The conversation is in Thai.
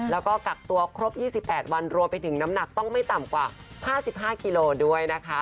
แล้วก็กักตัวครบ๒๘วันรวมไปถึงน้ำหนักต้องไม่ต่ำกว่า๕๕กิโลด้วยนะคะ